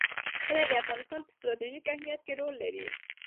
کلي د افغانستان په ستراتیژیک اهمیت کې رول لري.